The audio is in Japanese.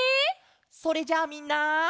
それじゃあみんな。